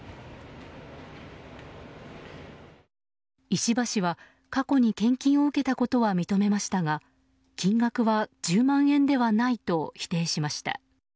石破氏は過去に献金を受けたことは認めましたが金額は１０万円ではないと否定しました。